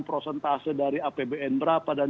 prosentase dari apbn berapa dan